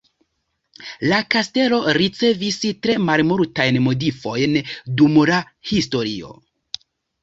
La kastelo ricevis tre malmultajn modifojn dum la historio.